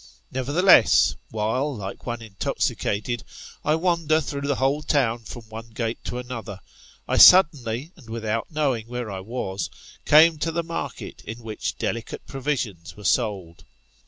Nevertheless, while, like one intoxicated, I wander through the whole town from one gate to another, I suddenly, and without knowing where I was, came to the market in which delicate provisions were sold.